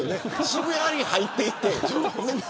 渋谷に入っていって。